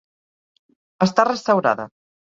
Està restaurada.